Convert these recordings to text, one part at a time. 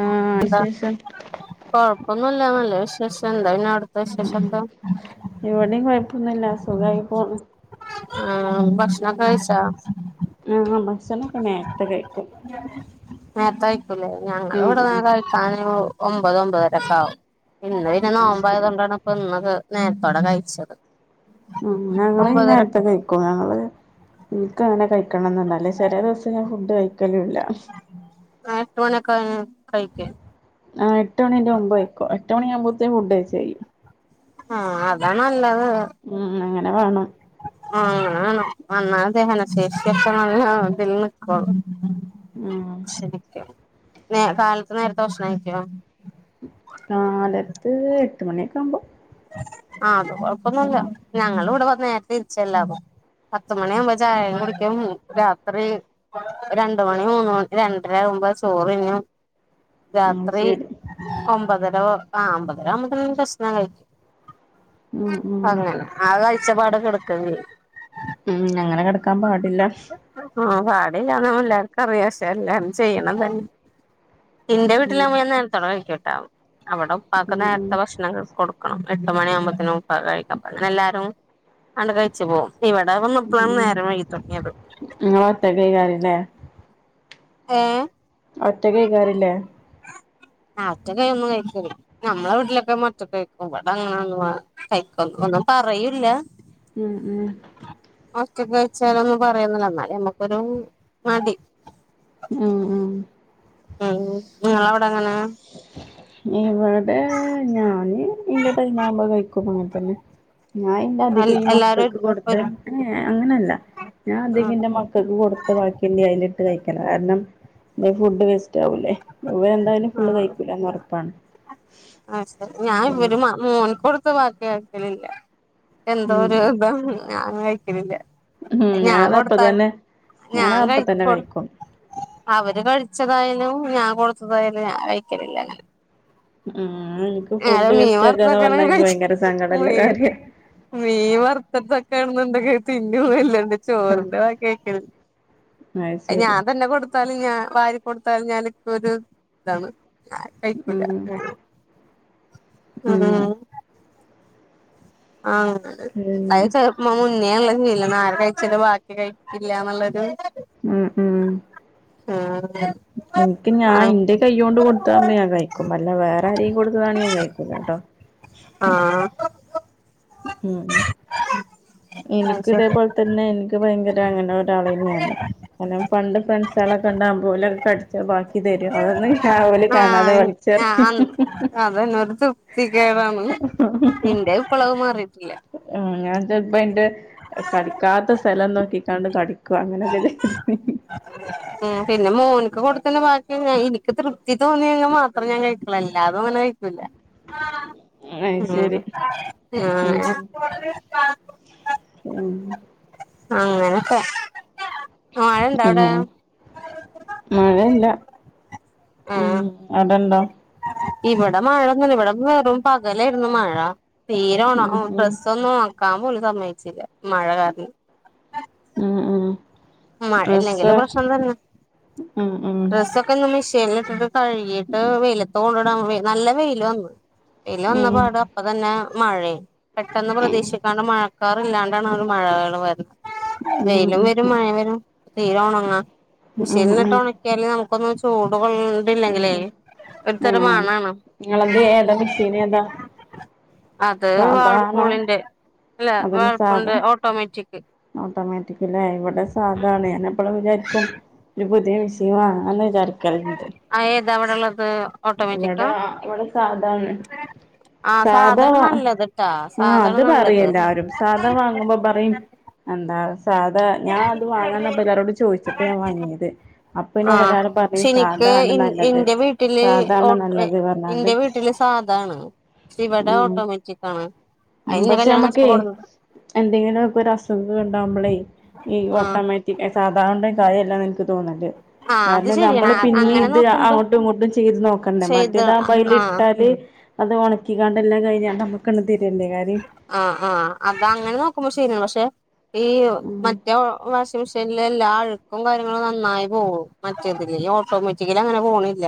ആഹ് ന്താ വിശേഷം കൊഴപ്പൊന്നുല്ലന്നല്ലേ വിശേഷം പിന്നെ അവിടുത്തെ വിശേഷൊക്കെ ഇവിടേം കൊഴപ്പൊന്നുല്ല സുഖായി പോണ് ആ ഭക്ഷണക്കെ കൈച്ചാ ആഹ് ഭക്ഷണൊക്കെ നേരത്തെ കഴിക്കും നേർത്തെ കൈ ല്ല ഉം ഞങ്ങളിവെടെ ഉം കഴിക്കാന് ഒമ്പത് ഒമ്പതരക്കെ ആകും ഇന്ന് പിന്നെ അത് ശരി നോബായതോണ്ടാണ് ഇപ്പം ഇന്നൊക്കെ നേർത്തോടെ കഴിച്ചത് ഉ ഞങ്ങള ഈ ഒമ്പതര നേരത്തെ കഴിക്കും ഞങ്ങള് ഇൻക്ക് അങ്ങനെ കൈ ക്കണംന്ന്ണ്ട് അല്ലേ ചെരെ ദിവസം ഞാൻ ഫുഡ് കഴിക്കലുംല്ല എട്ട് മണിയൊക്കെ കഴിക്കും ആ എട്ട് മണിന്റെ മുമ്പ് കൈക്കും എട്ട് മണി ആകുമ്പോത്തിന് ഫുഡ് കയ്ച്ചഴ്യും ആ അതാ ന്നല്ലത് ഉം അങ്ങനെ വേണം അങ്ങനെ വേണം [inaudible] [unintelligible] ഉം ശരിക്കും നേ കാലത്ത് നേരത്തെ ഭഷണം കയിക്കോ കാലത്ത് എട്ട് മണിയൊക്കെ കുമ്പോ ആ അത് കൊഴപ്പൊന്നുല്ല ഞങ്ങള് വെടെ നേരത്തെ ർച്ചല്ലാവാ പത്തുമണിയാകുമ്പോ ചായേം കുടിക്കും രാത്രി രണ്ട് മണി മൂന്ന് മണി രണ്ടര ബം ച്ചോറ്ന്നും അത് രാത്രി ശരി ഒമ്പതര ആ ഒമ്പതരാവുബോ ത്തിന് ഭക്ഷണം കഴിക്കും ഉം ഉം അങ്ങനെ ആ കാഴ്ചപ്പാടോക്കെ ഇട്ക്കെണ്ടെരും ഉം അങ്ങനെ കെട്ക്കാം പാടില്ല ആ പാടില്ലാന്ന് എല്ലാർക്കും അറിയാംക്ഷേ എല്ലാരും ചെയ്യ്ണ ത ഇന്റെ ഉം വീട്ടിലാവുമ്പോ ഞാൻ നേരത്തെ വാഴികുട്ടോ അവിടെ ഉപ്പാക്ക് ഉം ഉം നേരത്തെ ഭക്ഷണം കൊടു എട്ട് മണിയാവുമ്പോത്തിനും ഉപ്പാക് കഴിക്കാ എല്ലാരും ആണ്ട് കഴിച് പോകും ഇവിടെ വന്ന് ഇപ്പളാണ് ഉം നേരം വൈകി തോട്ങ്ങിയത് ഇങ്ങള് ഒറ്റക്കേക്കാരല്ലേ ഏ ഒറ്റക്കയ്കാറില്ല ആ ഒറ്റെക് ഒന്നും കഴിക്കില്ല നമ്മളെ വീട്ടിലൊക്കെ മ്മ റ്റെക്കഴിക്കും ഇവിടെ അങ്ങനെ ഒന്നും കഴ ഒന്നും പറയില്ല ഉം ഉ ഒക്കെ കഴിച്ചാലൊന്നും പറയുന്നെതല്ല എന്നാല് നമ്മുക്കൊരു മടി ഉ ഉ ഉം ഉ ഉ [unintelligible] ഇവെടെ ഞാന് ഇന്റെ ടൈമാകുമ്പ കഴിക്കും അങ്ങൻത്തന്നെ ഞാൻ ഇന്റെ അധികം ഈ എല്ലാരും മക്കൾക്ക് കൊടുത്ത ഒരു അങ്ങനെയല്ല ഞാൻ അതികം ആഹ് ഇന്റെ മക്കൾക്ക് കൊടുത്ത ബാക്കിണ്ടെ അയ്ലിട്ട് കഴിക്കലാ കാരണം ല്ലേ ഫുഡ് വേസ്റ്റാവൂലെ ഇവരെ ന്തായാലും ഫുള്ള് കഴിക്കൂലാന്നൊറ്പ്പാണ് അ ഞാൻ ഇവര് മോൻക് കൊടുത്ത് ബാക്കി ആക്കലില്ല എന്തോ ഒര്ധം ഞാൻ കഴിക്കലില്ല ഉം ഞാൻ ഞാനത് അപ്പ കൊടുത്താല് തന്നെ ഞാൻ അപ്പ തന്നെ കഴിച്ചോ കഴിക്കും അവര് കഴി ച്ചതായാലും ഞാൻ കൊടുത്തതായാലും ഞാൻ കഴിക്കലില്ല അങ്ങനെ ഉം എനിക്ക് നേരെ ഫുഡ് മീൻ വേസ്റ്റാക്കാന്ന് വറുത്തതൊക്കെയാണ് പറഞ്ഞ ൻക്ക് കഴിച്ച ഭയങ്കര സങ്കടള്ള മീൻ കാര്യ മീൻ വർത്തെച്ചെക്കാണ് ന്നെ എന്തെക്കെ [unintelligible] ചോറിന്റെ ബാക്കിയാക്കിണ് അത് ശരി ഞാൻ തന്നെ കൊടു ത്താല് വാരി കൊടുത്താൽ ഞാൻ എനിക്ക് ഒരു ഇതാണ് ആ കൈക്കൂല്ല ഉം ഉം ആ പിന്നെ [inaudible] ചേർക്കുമ്പോ മുന്നേ ള്ളെ ല്ല ആര് കഴിച്ചെൻ്റെ ബാക്കി കഴിക്കില്ല എന്നുള്ളൊരു ഉം ഉം ആ എനിക്ക് ഞാൻ ന്റെ കൈയോണ്ട് കൊടുത്താകുമ്പോ ഞാൻ കഴിക്കും അല്ല വേറെ ആരെയും കൊടുത്തതാണെ ഞാൻ കഴിക്കൂലട്ടോ ആഹ് ഉം ഉം അത് എനിക്ക് ശരി ഇതേപോലെ തന്നെ എനിക്ക് ഭയങ്കര അങ്ങനെ ഒരാളെനി ഞാന് കാരണം പണ്ട് ഫ്രണ്ട്സ് ളൊക്കെ ണ്ടാവുമ്പം ഓല് കടിച്ച ബാക്കി തരും അതെന്നെ ഞാൻ ഓല് കാണാതെ വലിച്ചെറി അതന്നൊരു തൃപ്തിക്കേടാണ് ഇന്റെ ഇപ്പളും അത് മാറിട്ടില്ല ൻ്റെ പ്പ അതിന്റെ കട്ക്കാത്ത സ്ഥലം നോക്കിക്കാണ്ട് കട്ക്ക അങ്ങനെയൊക്കെ ഇ ഉം പിന്നെ മോൻക്കും ബാക്കി ഞ എനിക്ക് തൃപ്തി തോന്നിയെങ്കിൽ മാത്രം ഞാൻ കഴിക്കുള്ളൂ എല്ലാതും അങ്ങനെ കഴിക്കൂല്ല ഉം അയ്ശരി ഉം ഉം ആ അങ്ങനൊക്കെ മഴ ഇണ്ട അവിടെ ഉം മഴല്ല ഉം ആഹ് അടെണ്ടോ ഇവിടെ മഴൊന്നുല്ല ഇവിടെ വെറും പകലായിരുന്നു മഴ തീരെ ഉം ഉം ഡ്രസ്സൊന്നും ഒണ ക്കാ പോലും സമ്മയ്ച്ചില്ല മഴ കാരണം ഉം ഉം മഴ ഡ്രസ്സ് ഇല്ലെങ്കിലും പ്രശ്നം തന്നെ ഉം ഉം ഡ്രസ്സൊക്കെ ഒന്ന് മിഷീ ൻലിട്ടിട്ട് കഴുകിട്ട് വെയിലത്ത് കൊണ്ടടാ നല്ല വെയ്ൽ വന്നു വെയ്ല് വന്ന ഉം പാടെ അപ്പൊ തന്നെ മഴയും പെട്ടെന്ന് പ്രതീക്ഷിക്കാണ്ട് മഴ കാർല്ലാണ്ടാ ണ് മഴകള് വരുന്നത് ഉം വെയിലും ഉം വരും മഴിം വരും തീരെ ഉണങ്ങാ ഉം മഷീനിൽട്ട് ഉം ഉണക്കിയാല് നമുക്കൊന്നും ചൂട് കൊള്ളണ്ടില്ലെങ്കിലേ ആഹ് നിങ്ങളെത് ഏതാ മെഷീന് ഏതാ അത് സാധാരണ വാൾപൂളിന്റെ അല്ല അതിന് സാധാ വേൾപൂളിന്റെ ഓട്ടോമാറ്റിക് ഓട്ടോമാറ്റിക്കലെ ഇവടെ സാധ അതാണ് ഞാൻ എപ്പഴും വിചാരിക്കും ഒരു പുതിയ മിഷീൻ വാങ്ങാ ന്ന് വിചാരിക്കൽണ്ട് അ ഏതാ ഇവടെള്ളത് ഓട്ടോമേറ്റിക്കാ താണ് ആഹ് സാധെണ് നല്ലത്ട്ടാ ആഹ് അത് പറയും എല്ലാരും സാധാ വാങ്ങുമ്പോ പറയും അന്താ സാധാ ഞാൻ അത് വാങ്ങാന്നപ്പം എല്ലാരോടും ചോയ്ച്ചിട്ടെ ഞാൻ വാങ്ങിയത് അപ്പ ഇന്നോട് എല്ലാരും പറഞ്ഞിനി സാ ഇൻ ഇന്റെ വീട്ടില് ഓട്ട് നല്ലത് ഇൻെ പറഞ്ഞാണ്ട് വീട്ടില് സാധാണ് ക്ഷി വെടെ ഉം ഓട്ടോമേറ്റിക് ആണ് അത് ഉം ഇന്നെ പക്ഷെ കല്യാണം നമ്മക്കെ കഴിച്ചപ്പോ കൊടുന്ന എന്തെങ്കിലു ഒക്കെ ഒരസുഖം ഇണ്ടാകുമ്പ ഈ ആഹ് ഓട്ടോമേറ്റിക് എ സാധാര്ണ കാര്യല്ലാന്ന ഇൻക്ക് തോന്ന്ന്നത് ആഹ് അത് ശെരിയാണ് ആത് പിന്നി ഇത് അങ്ങോട്ടും ഇങ്ങോട്ടും ചെയ്ത് നോക്കണ്ടേ. ചെയ്ത് മറ്റേതാവുമ്പം ആഹ് അയിലിട്ടാല് അത് ഒണക്കിക്കാണ്ട് എല്ലാം കഴിഞ്ഞ് നമ്മുക്കണ്ട് തരല്ലേ കാര്യം ആഹ് ആഹ് അത് അങ്ങനെ നോക്കുമ്പോ ശ [unintelligible] ണ്പക്ഷെ ഈ ഉം മറ്റെ വാഷിംഗ് മെഷീൻ ഇല എല്ലാ അഴുക്കും കാര്യങ്ങളും നന്നായി പോവും മറ്റേതില് ഓട്ടോമാറ്റിക്കലി അങ്ങനെ പോണില്ല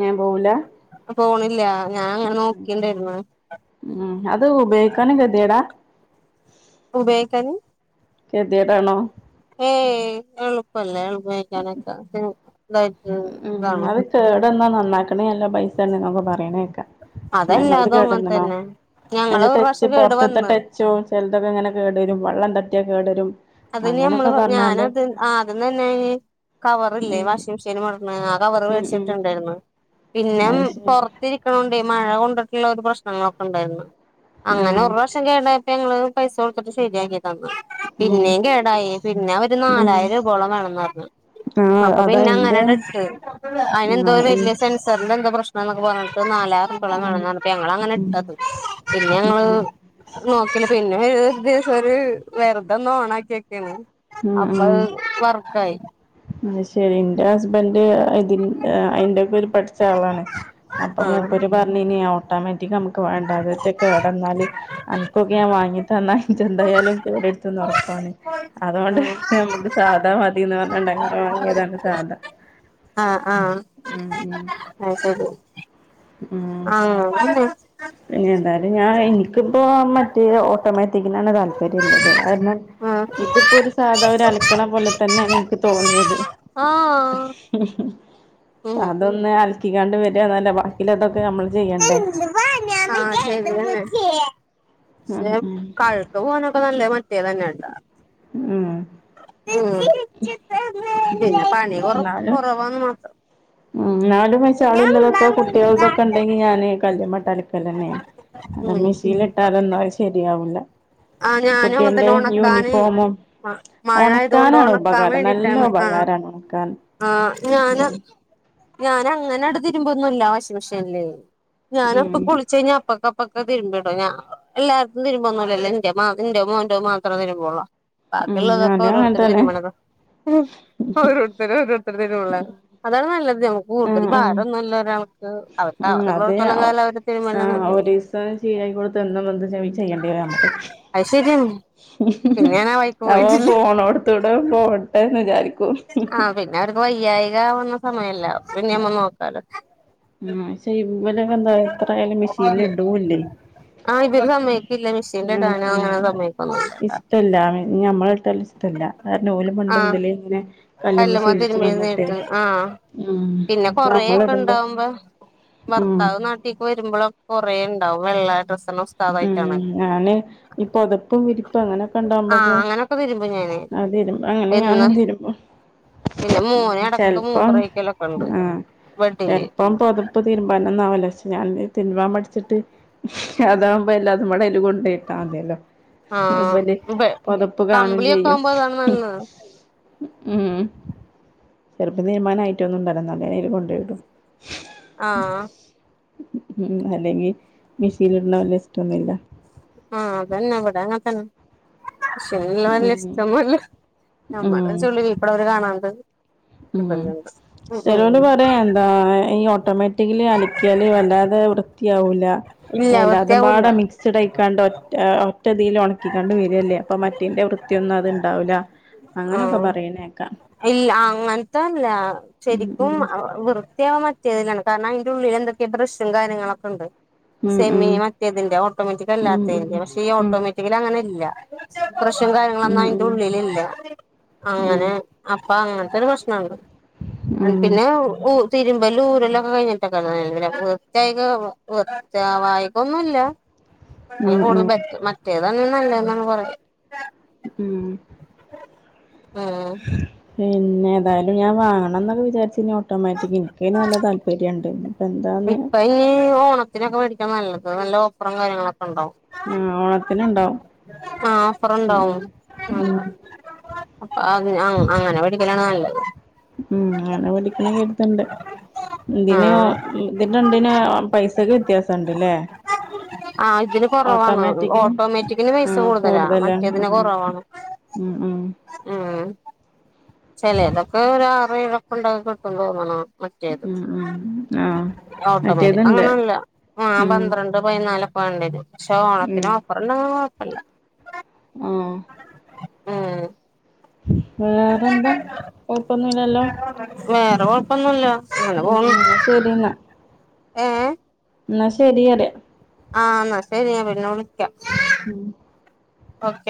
ഞാൻ പോവൂല പോണ്ല്ല. ഞാൻ അങ്ങനെ നോക്കി ഇണ്ടായിരുന്നു കാര്ണം കെത്യേട ഉപേയിക്കാന് കെത്യേടാണൊ ഏയ് എളുപ്പല്ലെ എളുപ്പേനക്കെ [unintelligible] ഉം അത് കേടന്നാ നന്നാക്ക്ണേ കല്ല പൈസേണ്ന്നൊക്കെ പറിണേക്കാം ഇങ്ങൾത് അതല്ലാതും അങ്ങനെ കേടന്ന്ണോ. തന്നെ ഞങ്ങള് അയ്ന്റെ ഒരു ടെച്ച് പ്രാവശ്യം കേട് പൊറ്ത്തിത്തെ വന്ന് ടെച്ചോ ചെല്തൊക്കെ ഇങ്ങനെ കേട് രും വള്ളം തട്ട്യ കേടരും അതിന് നമ്മള് അങ്ങനൊക്കെ പറഞ്ഞാണ്ട് ഞാനത് ആദ്യം തന്നെ കവറല്ലേ ഉം വാഷിംഗ് മെഷീൻ ആഹ് കവറ് ഉം ഉം മേടിച്ചിട്ടുണ്ടായിരുന്നു പിന്നെ അത് ശരി പൊറത്തിരിക്കണ കൊണ്ടേ മഴ കൊണ്ടിട്ടുള്ള ഒരു പ്രശ്നങ്ങളൊക്കെ ഉണ്ടായിരുന്നു അങ്ങനെ ആഹ് ഒരു വർഷം കേട ഞങ്ങള് പൈസ കൊടുത്തിട്ട് ശരിയാക്കി തന്നു ഉം പിന്നേയും കേടായി പിന്നെ അവര് ഉം നാലായിരം രൂപോളം വേണംന്ന് പറഞ്ഞു ആഹ് അപ്പൊ അതാ പിന്നെ അങ്ങനെ ഇന്റെ ഇട്ട അതിന് എന്തോ ആഹ് ഉം വലിയ സെൻസറിന്റെ എന്തോ പ്രശ്നം എന്നൊക്കെ പറഞ്ഞട്ട് [unintelligible] ഞങ്ങളങ്ങനെ ഉം ഇണ്ടാകും പിന്നെ ഉം അങ്ങള് [unintelligible] പിന്നെ [unintelligible] ദിവസം ഒരു വെറുതെന്ന് ഓണാക്കി വെക്കാണ് ഉം അപ്പൊ ഉം വർക്കായി അത് ശരി ഇന്റെ ഹസ്ബൻ്റ് ഇതി അയിന്റെയൊക്കെ ഒരു പഠിച്ച ആളാണ് അപ്പൊ ആഹ് മുപ്പര് പറഞ്ഞിനി ഓട്ടാ മക്ക് വേണ്ട കേടന്നാൽ അനൊക്കൊക്കെ ഞാൻ വാങ്ങി തന്നാൽ എന്തായാലും കേ ഉറപ്പാണ് അതുകൊണ്ട് നമുക്ക് സാധാ മതിന്ന് പറഞ്ഞുണ്ട വാങ്ങിയതാണ് സാധാ ആഹ് ആഹ് ഉം ഉം അയ് ശരി ഉം ആഹ് അ പിന്നെ എന്തായാലും ഞാൻ എനിക്കിപ്പോ മറ്റേ ഓട്ടോമാറ്റിക്കിനാണ് താല്പര്യംള്ളത് കാരണം ഇതിപ്പോ ഒരു സാധാ ഒരു അലക്കണ പോലെ തന്നെയാണ് എനിക്ക് തോന്നിയത് ആഹ് ആഹ് ഉം അതൊന്ന് അലക്കിക്കാണ്ട് വരിയാന്നല്ല പിന്നതൊക്കെ നമ്മള് ചെയ്യണ്ടേ പക്ഷെ ഉം ഉം കഴക്ക് പോനൊക്കെ നല്ലേ മറ്റേ തന്നെയട്ടാ ഉം ഉം പിന്നെ പണി കൊറ എന്നാലും കൊറവാന്ന് മാത്രം ഉം നാലും വച്ചാളുള്ളതൊക്കെ കുട്ടികൾതൊക്കെ ഉണ്ടെങ്കി ഞാന് കല്ല്മ്മെഇട്ട അലക്കൽ തന്നെയാണ് ഉം മിക്സിൽ ഇട്ടാതൊന്നും അത് ശരിയാവൂല്ല ആ ഞാനും കുട്ടികളുടെ അങ്ങനെത്തന്നെ ഒണക്കാന് യൂണിഫോമും മ മഴ ആയതുകൊണ്ട് ഉണക്കാനാണ് ഒണക്കാൻ ഉപകാരം നല്ല വേണ്ടിട്ടാണ് ആഹ് ഉപകാരമാണ് ഉണക്കാൻ ആഹ് ഞാന് ഞൻ അങ്ങനെ അടുത്തിരുമ്പോന്നുംല്ല വാഷിംഗ് മെഷീനില് ഉം ഞാനപ്പകുളിച്ച് കഴിഞ്ഞ അപ്പൊക്ക ഇപ്പൊക്കെരുമ്പിട ഞാ എല്ലാരുടെയും തിരുമ്പോന്നുംല്ല എന്റേം മോന്റെയും മാത്രേ തിരുമ്പുള്ളൂ ഉം ബാക്കിയുള്ളതൊക്കെ ഞാനും അവരോര് അങ്ങനെ തന്നെ തിരുമണതും ത്തിലുള്ള അതാണ് നല്ലത് ക്ക് കൂടുതൽ ഉം ഉം ഭാരംന്നുമല്ല ഒരാൾക്ക് ഉം അത് അവർക്കാവതള്ളോടത്തോളം കാലം അവര് തിരുമണത നല്ലത് ശീലായികൊടുത്തന്നും എന്ത ചെയ്യേണ്ടിവരും നമുക്ക് അത് ശെരിയാണ് അവ പോണോടത്തൂടെ പോട്ടെന്ന് വിചാരിക്ക ആഹ് പിന്നെ അവർക്ക് വയ്യായികവുന്ന സമയമില്ലേ അപ്പ പിന്നെ നമുക്ക് നോക്കാലോ ഉം പക്ഷെ ഇവലക്കെ എന്താ എത്രയാലും മെഷീനൽ ഇടൂല്ലേ ആഹ് ഇവര് സമ്മയ്ക്കില്ല മെഷീനിൽ ആ ഇടാനോ അങ്ങനെ സമ്മയ്ക്കൊന്നുല്ലട്ടാ ഇഷ്ടല്ല ഞമ്മള ഇട്ടല്ല ല്ല ഓല് പണ്ട് ആഹ് മുതലേ കല്ലമ്മ കല്ലുമ്മ ശീലിച്ചു വന്നിട്ടെ തിരുമ്പിരുന്നിട്ട് ആഹ് ഉം പിന്നെ കൊറേയൊക്കെ നമ്മളിടുമ്പോ ഇണ്ടാവുമ്പോ ഭർത്താവ് നാട്ടീക്ക് വരുമ്പോഴൊ കൊറേ ഉണ്ടാവും വെള്ള ഡ്രസ്സ്‌ ഉം ഞാന് ഇ പൊതപ്പും വിരിപ്പും ആഹ് അങ്ങനൊക്കെണ്ടാവുമ്പോക്കെ അങ്ങനൊക്കെ തിരുമ്പും ഞാന് അതിരുമ്പോ അങ്ങനെ ഞാനെ ഇന്ന് തിരുമ്പോ പിന്നെ മോന് എടക്ക് ചിലപ്പം മൂത്രൊഴിക്കലൊക്കെ ഇണ്ട് ആ ബെഡില് ചെലപ്പം പൊതപ്പ് തീരുമ്പാനോനാവുലച്ച് ഞാൻ തെ തിരുമ്പാൻ മടിച്ചിട്ട് അതാകുമ്പോ എല്ലാതുംപാടെ അയിൽ കൊണ്ടയിട്ടാമതിയല്ലോ അത്പോലെ ആഹ് ബെ പുതപ്പ് കാണും കമ്പിളിയൊക്കെ ചെയ്യും ആവുമ്പോ അതാണ് നല്ലത് ഉം ചെലപ്പം തീരുമ്പാനായിട്ടൊന്നുംണ്ടവുല ന്നാപ്പിന്നെയിൽ കൊണ്ടോയിടും ആഹ് ഉം അല്ലെങ്കിൽ മെഷീൽ ഇടണ വല്ല ഇഷ്ട്ടോന്നുല്ല ആഹ് അതന്നെവിടങ്ങനെതന്നെ പക്ഷെല്ല വല്യ ഉം ഇഷ്ട്ടോന്നുല്ല നമ്മള് ഉം ചുളിവി ഇപ്പളവര് കാണാണ്ട് [unintelligible] ഉം ചെലൊര് പറയാഎന്താ ഈ ഓട്ടോമാറ്റിക്കലി അലക്കിയാല് വല്ലാതെ വൃത്തിയാവൂല ഇല്ല എല്ലാതും വൃത്തിയാവൂല്ല പാടെ മിക്സ്ഡ് ആയിക്കാണ്ട് ഒ ഒറ്റതി ക്കണ്ട് വരല്ലേ അപ്പൊ മറ്റെയ്ന്റെ വൃത്തിയൊന്നും അത് ണ്ടാവൂല ആഹ് ഇല്ല അ അങ്ങനത്തല്ല ഉം ശരിക്കും വൃത്തിയാവാ മറ്റേതിലാണ് കാരണം അതിന്റെറെ ഉള്ളിൽ എന്തൊക്കെ ബ്രാഷും കാര്യങ്ങളൊക്കെ ഉണ്ട് ഉം സെമി ഉം മറ്റേതിന്റെ ഓട്ടോമാറ്റിക് ഉം ഉം അല്ലാത്തതിന്റെ പക്ഷെ ഈ ഉം ഓട്ടോമാറ്റിക്കൽ അങ്ങനെ ഇല്ല ബ്രഷും ഉം കാര്യങ്ങളൊന്നും ഉം ഉം അയിന്റെ ഉം ഉള്ളിലില്ല അങ്ങനെ അപ്പൊ അങ്ങനത്തൊരു പ്രശ്നണ്ട് ഉം പിന്നെ ഉ തിരുമ്പല്ലൂരലൊക്കെ കഴിഞ്ഞിട്ടക്കെയാണ് വൃത്തിയായിക വൃത്തി ആവായിക ഒന്നുല്ല അ ഉം കൂടുതൽ ഉം ബെ മറ്റേതാണ് നല്ലെ ന്നാണ് പറയ ഉം ആഹ് പിന്നെ ഏതായാലുംഞാൻ വാങ്ങണംന്നൊക്കെ വിചാരിചീനെ ഓട്ടോമാറ്റിക് എനിക്കയ്ന് നല്ല താല്പര്യണ്ട് എന്താന്ന് ഇപ്പൊ ഈ ഓണത്തിനൊക്കെ മേടിക്കാൻ നല്ലത് നല്ല ഓഫറും കാര്യങ്ങളൊ ആ ഓണത്തി ആ ഓഫറുണ്ടാവും ഉം അ അങ് അങ്ങനെ മെടിക്കലണ് നല്ലോ ഉം അങ്ങനെ വേടിക്കണം കര്ത്ണ്ട് ആ ഇതിന് ഓ ഇതിന് രണ്ടിന് പൈസക്ക് വ്യത്യാസുണ്ട്ല്ലേ ആഹ ഇതിന് കൊറവാണ് ഓട്ടോമാറ്റിക്കിന് ആ പൈസ കൂടുതലാ കൂടുതല ആ മറ്റേതിന് കൊറവാണ് ഉം ഉം ചിലെതൊക്കെ ഒരു ആറെഴൊക്കെ ഉണ്ടാവും കിട്ടും തോന്നണ് മറ്റേത് ഉം ഉം ആഹ് ഓട്ടോമാറ്റിക് മറ്റേതുണ്ട് അങ്ങനെല്ല ആ ഉം പന്ത്രണ്ട് പതിനാലൊ വാണ്ടിവരും പക്ഷേ ഉം ഓണത്തിനോഫർ ഉണ്ടെങ്കിൽ കുഴപ്പല്ല ആഹ് ഉം വേറെന്താ കൊഴപ്പൊന്നുംല്ലല്ലോ അ കൊഴപ്പൊന്നുല്ല അങ്ങനെ പോണ് ശരി ഏ എന്ന ശരിഅറിയ ആഹ് എന്നാ ശരി ഞാൻ പിന്നെ വിളിക്കാം ഉം ഓക്കെ